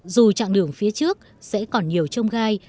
dù trạng đường phía trước sẽ còn nhiều trông gai